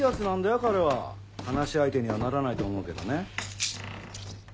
彼は話し相手にはならないと思うけどね。